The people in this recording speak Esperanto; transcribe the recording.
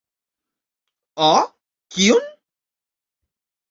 Ah? Kion?